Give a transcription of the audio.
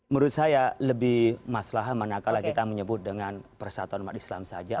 menurut saya lebih masalah manakala kita menyebut dengan persatuan umat islam saja